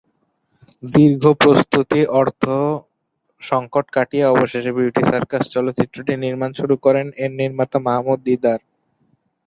দীর্ঘ প্রস্তুতি ও অর্থ সংকট কাটিয়ে অবশেষে "বিউটি সার্কাস" চলচ্চিত্রটির নির্মাণ শুরু করেন এর নির্মাতা মাহমুদ দিদার।